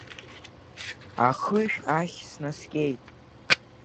Ахышә ахь снаскьеит.